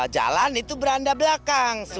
jalan itu beranda belakang